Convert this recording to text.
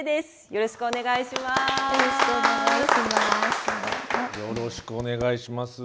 よろしくお願いします。